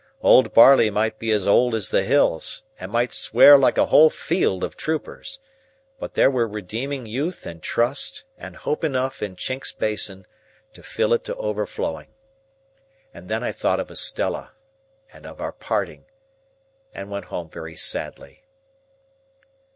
Old Barley might be as old as the hills, and might swear like a whole field of troopers, but there were redeeming youth and trust and hope enough in Chinks's Basin to fill it to overflowing. And then I thought of Estella, and of our parting, and went home very sadly.